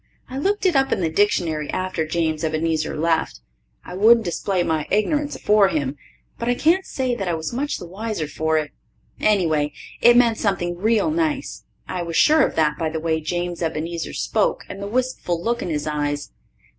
I looked it up in the dictionary after James Ebenezer left I wouldn't display my ignorance afore him but I can't say that I was much the wiser for it. Anyway, it meant something real nice; I was sure of that by the way James Ebenezer spoke and the wistful look in his eyes.